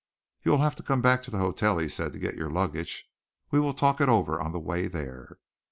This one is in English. "You will have to come back to the hotel," he said, "to get your luggage. We will talk it over on the way there."